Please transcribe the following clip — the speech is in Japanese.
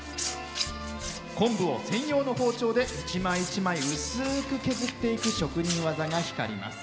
昆布を専用の包丁で一枚一枚薄く削っていく職人技が光ります。